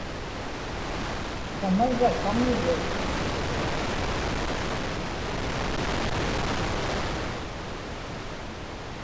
tamarra kamivut